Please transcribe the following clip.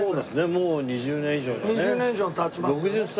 もう２０年以上だね。